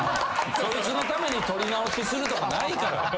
そいつのために撮り直しするとかないから。